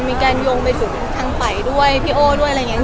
มีการโยงไปถึงทางไปด้วยพี่โอ้ด้วยอะไรอย่างนี้